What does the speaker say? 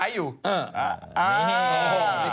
ดูดี